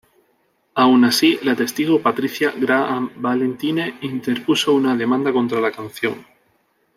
Aun así la testigo Patricia Graham Valentine interpuso una demanda contra la canción.